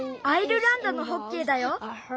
アイルランドのホッケーだよ。